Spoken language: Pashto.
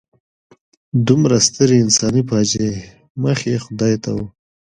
دومره سترې انساني فاجعې مخ یې خدای ته و.